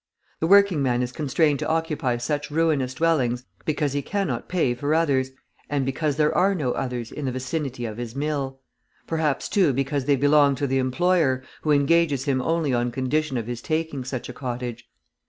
The working man is constrained to occupy such ruinous dwellings because he cannot pay for others, and because there are no others in the vicinity of his mill; perhaps, too, because they belong to the employer, who engages him only on condition of his taking such a cottage.